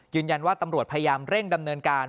ยืนยันว่าตำรวจพยายามเร่งดำเนินการ